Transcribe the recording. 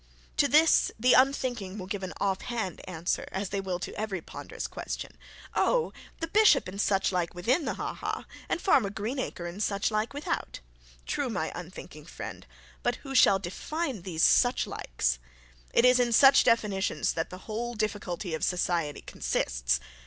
To this the unthinking will give an off hand answer, as they will to every ponderous question. Oh, the bishop and such like within the ha ha; and Farmer Greenacre and such without. True, my unthinking friend; but who shall define these such likes? It is in such definitions that the whole difficulty of society consists.